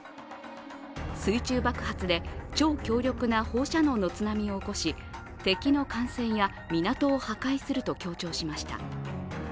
水中爆発で超強力な放射能の津波を起こし敵の艦船や港を破壊すると強調しました。